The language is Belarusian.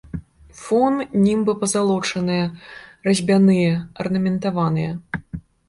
Фон, німбы пазалочаныя, разьбяныя, арнаментаваныя.